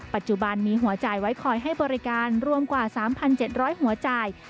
ปัจจุบันมีหัวจ่ายไว้คอยให้บริการรวมกว่า๓๗๐๐หัวจ่าย